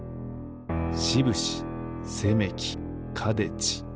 しぶしせめきかでち。